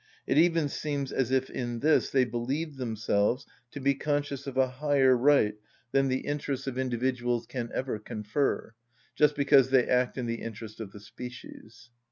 It even seems as if in this they believed themselves to be conscious of a higher right than the interests of individuals can ever confer; just because they act in the interest of the species.